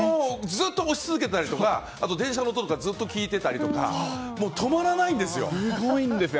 ずっと押し続けたりとか電車の音とかをずっと聞いていたりとかすごいんですよ。